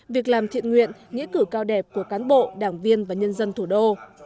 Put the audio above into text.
việc làm thiện nguyện nghĩa cử cao đẹp của cán bộ đảng viên và nhân dân thủ đô